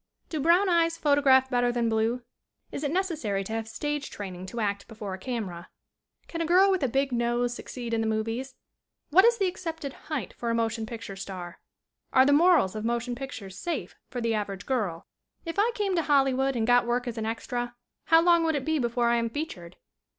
"Do brown eyes photograph better than blue?" "Is it necessary to have stage training to act before a camera?" "Can a girl with a big nose succeed in the movies?" "What is the accepted height for a motion picture star ?" "Are the morals of motion pictures safe for the average girl?" "If I came to Hollywood and got work as an extra how long would it be before I am featured?"